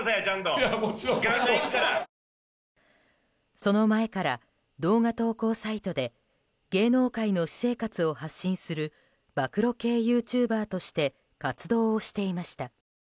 その前から動画投稿サイトで芸能界の私生活を発信する暴露系ユーチューバーとして活動をしていました。